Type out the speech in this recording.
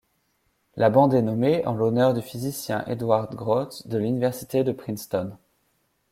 La bande est nommée en l'honneur du physicien Edward Groth de l'université de Princeton.